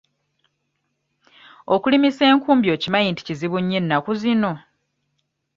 Okulimisa enkumbi okimanyi nti kizibu nnyo ennaku zino?